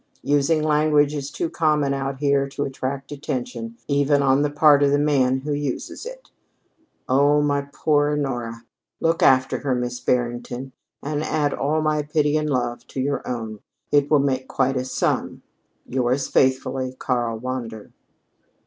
Using language is too common out here to attract attention even on the part of the man who uses it. Oh, my poor Honora! Look after her, Miss Barrington, and add all my pity and love to your own. It will make quite a sum. Yours faithfully, "KARL WANDER."